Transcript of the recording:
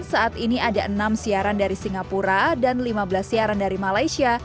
saat ini ada enam siaran dari singapura dan lima belas siaran dari malaysia